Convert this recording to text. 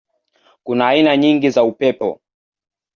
Kuna aina nyingi za upepo.